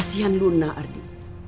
kasian luna ardi